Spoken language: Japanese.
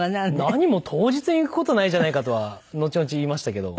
何も当日に行く事ないじゃないかとは後々言いましたけど。